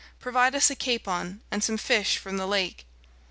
Provide us a capon, and some fish from the lake."